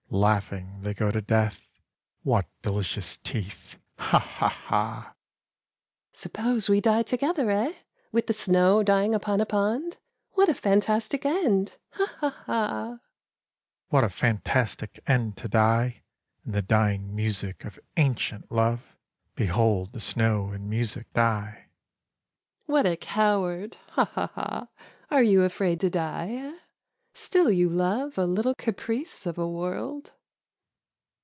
Laughing they go to death, Wliat delicious teeth, ha ! ha ! ha ! Suppose we d^e together, eh, With the snow dying upon a pond ? What a fantastic end, ha ! ha ! ha ! What a fantastic end to die In the dying music of ancient love ! Behold the ^now and music die 1 92 The Fantastic Snow flakes What a coward, ha ! ha ! ha I Are you afraid to die, eh ? Still you love a little caprice of world